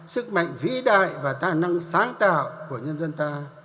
sức mạnh vĩ đại và tài năng sáng tạo của nhân dân ta